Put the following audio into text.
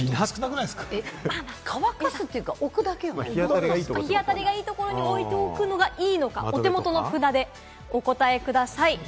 乾かすというか置くだけやん日当たりがいいところに置いておくのがいいのか、お手元の札でお答えください。